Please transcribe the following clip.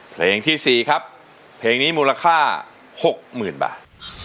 เพลงที่สี่ครับเพลงนี้มูลค่าหกหมื่นบาท